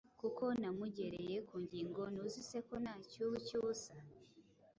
Kuko namugereye ku ngingo! Ntuzi se ko nta cy’ubu cy’ubusa!